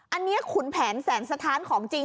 อันนี้ขุนแผนแสนสถานของจริง